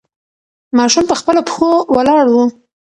ماشوم په خپلو پښو ولاړ و.